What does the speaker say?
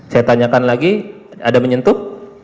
saya tanyakan lagi ada menyentuh